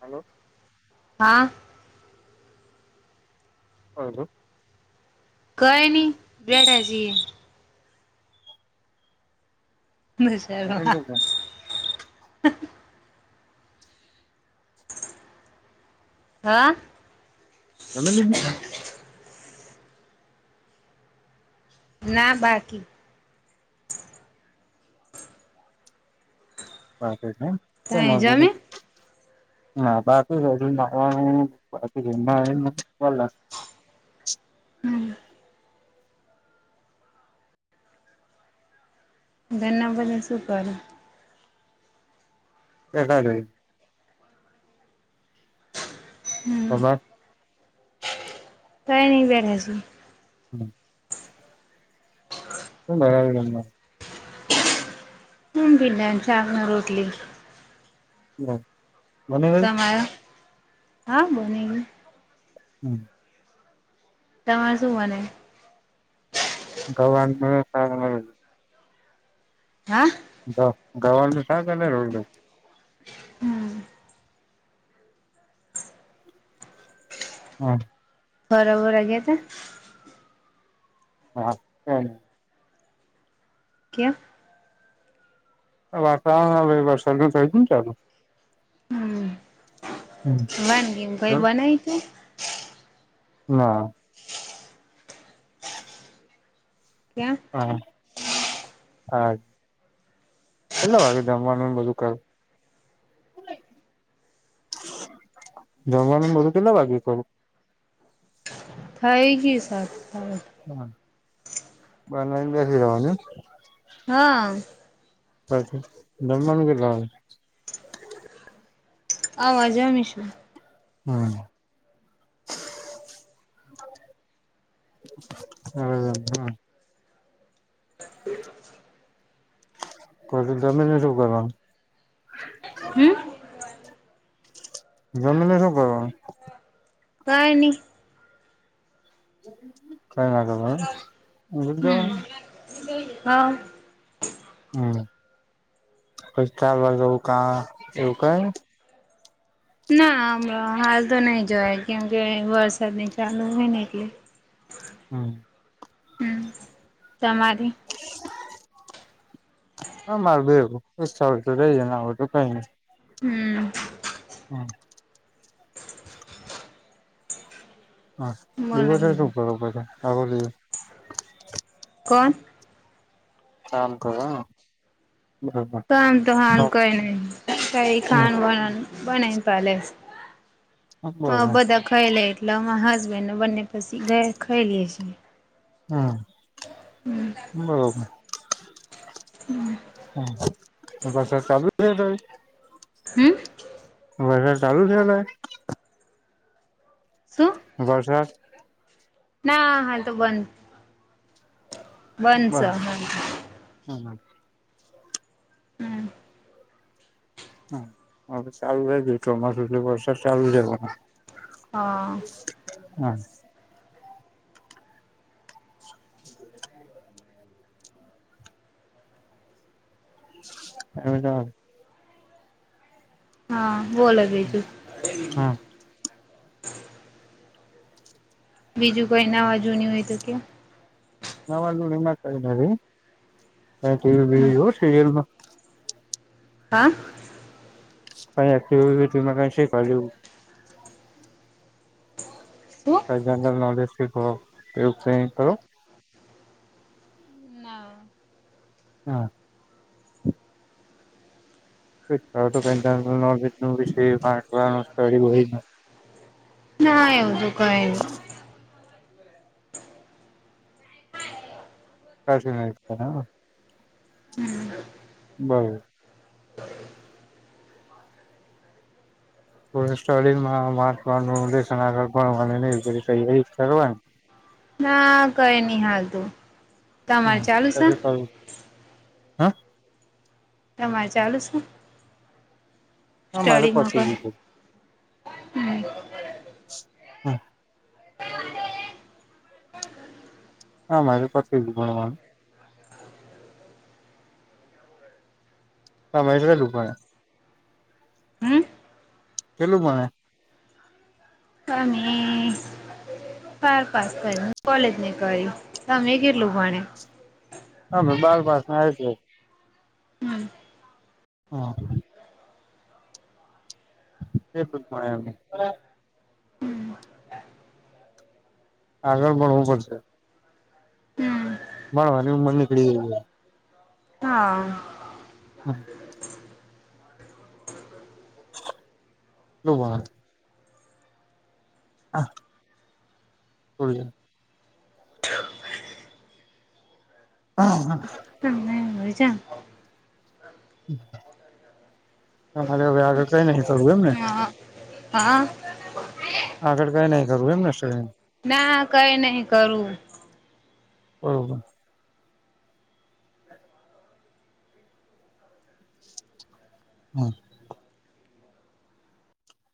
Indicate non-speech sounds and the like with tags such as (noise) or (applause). હાલો, હા, હાલો, કાઈ નહી બેઠા છીએ, જમી (unintelligible) હા. જમી લીથુ? ના, બાકી બાકી છે, એમ કેમ તમે જમે હજી. હા, બાકી છે હજુ નાવનું (inaudible) મા બાકી ઘર ણા બધાં શુ કરે? (unintelligible) તમાર કાઈ નહી બેઠા છી. હમ્મ શુ બનવું જમવાનું. હમ્મ ભિડ ચાક ને રોટલી. (unintelligible) જમવામાં તમારે હા બનવું? હમ્મ તમાર શું બનવું? ગવાર નું શાક હા ગવાર નું શાક અને રોટલી, હમ્મ ફરવા બરવા ગ્યાતા? હા, (inaudible) ક્યાં વાતાવરણ હવે વરસાદ ન થઈયું ને ચાલુ હમ હમ્મ વાનગી કઈ બનાવી તું? ના કેમ હા હા કેટલા વાગે જમવાનું બધું કર? જમવાનું બધું કેટલા વાગે કરું થઈ ગયું શાક (unintelligible) (unintelligible) બેસી જવાનું એમ હા પછી જમવાનું કેટલા વાગે અમા જમીશુ હમ્મ હમ્મ હમ્મ (inaudible) તો તમે ભી શુ કરો હમ્મ જમને શું કરો હા એની કઈ હમ (unintelligible) હા હમ્મ (unintelligible) એવું કઈ ના અમ હાલ તો નઈ જોય કેમ કે વરસાદ ની ચાલુ હોયને કે હમ્મ હમ તમારી હ માર બે એવું તો રહી જને આવ તોું કઈ નઈ હમ્મ હમ્મ હા બોલો દિવસ શું બીજું બરોબર છે આખો દિવસ કોણ નામકરણ કામ તો હાન હમ કોઈ નહી કઈ ખાન બનાનું બનાઈન પેલેસ હ બરોબર બધા ખાઈ લે એટલે અમારા હસબેન્ડને બંને પછી ઘ ખાઈ લએ છીએ હમ્મ બરોબર હમ્મ બ ચાલુ છે હમ્મ વ ચાલુ થેલોય શું વરસાદ ના હા તો બંધ બ બંધશે હાલ હમ્મ હ હમ હ ચાલ રહી ગયું ચીમસુ એટલે વરસાદ ચાલુ રહેવાનો હા (inaudible) (inaudible) એ જા હા બોલો બીજું હમ્મ બીજું કોઈ નાવાજુ હોય તો કે ના માતા ન સીયલમાં હા (unintelligible) શું જનરલ નોલેજ એ કરો એવુ કઈ કરો ના હા જ નોલેજ (unintelligible) સ્ટડી હોય ના એવું તું કઈ નહી હમ (unintelligible) સ્ટોલિન માન આગળ ન તૈયારી કરવા ના કઈ નહી હાલતું તમાર ચાલુ શે હા તમારે ચાલું શું હ મારે પસે કઈ ગધું હમ હમ્મ હા મારે પર ગણ હમે લું હમ કેલું મને અમે બાર પાસ કરી કોલેજ ને કરી તમે કેટલું ભણે હમે બાળભસ જ ર હા એ શ જ મળ આગળ બડવું પડશે મળવા નિ મણને કડી હા હમ શ હા બું હા હા હા બીજ તમારે હવે આગળ કઈ નહી કરવું એમને હા હા આગળ કઈ ન કરું એમને સ ના હ કંઈ નહીં કરું બબ હમ